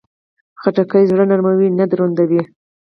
خټکی زړه نرموي، نه دروندوي.